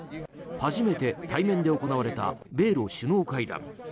初めて対面で行われた米露首脳会談。